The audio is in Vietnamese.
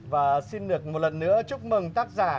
và xin được một lần nữa chúc mừng tác giả